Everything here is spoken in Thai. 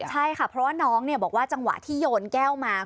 ใช่ค่ะเพราะว่าน้องบอกว่าจังหวะที่โยนแก้วมา